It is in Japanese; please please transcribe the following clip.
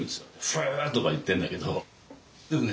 「フ」とか言ってんだけどでもね